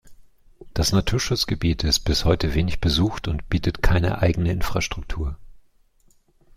Das Naturschutzgebiet ist bis heute wenig besucht und bietet keine eigene Infrastruktur.